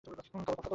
খবর পাক্কা তো?